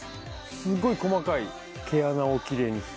すごい細かい毛穴をキレイに。